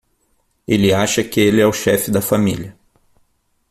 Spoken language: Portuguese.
Ele acha que ele é o chefe da família.